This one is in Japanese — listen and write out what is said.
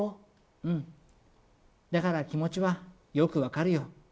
うん、だから気持ちはよくわかるよ。